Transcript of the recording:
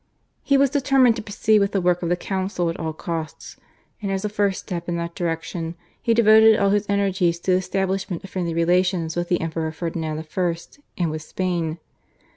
He was determined to proceed with the work of the council at all costs, and as a first step in that direction he devoted all his energies to the establishment of friendly relations with the Emperor Ferdinand I. and with Spain.